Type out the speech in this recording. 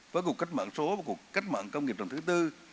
với cuộc cách mạng số và cuộc cách mạng công nghiệp lần thứ tư